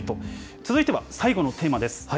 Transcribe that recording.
続いては最後のテーマです。